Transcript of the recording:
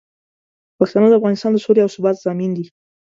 پښتانه د افغانستان د سولې او ثبات ضامن دي.